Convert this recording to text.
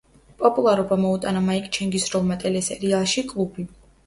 პოპულარობა მოუტანა მაიკ ჩენგის როლმა ტელესერიალში „კლუბი“.